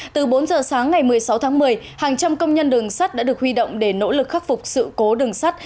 từ bốn giờ sáng ngày một mươi sáu tháng một mươi hàng trăm công nhân đường sắt đã được huy động để nỗ lực khắc phục sự cố đường sắt